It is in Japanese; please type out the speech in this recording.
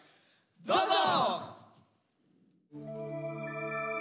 どうぞ！